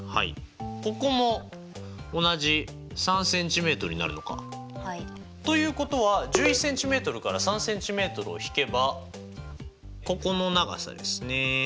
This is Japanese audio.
ここも同じ３ｃｍになるのか。ということは１１ｃｍから３ｃｍをひけばここの長さですね